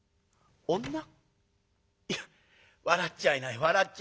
いや笑っちゃいない笑っちゃいない。